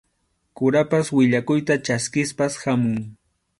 Kurapas willakuyta chaskispas hamun.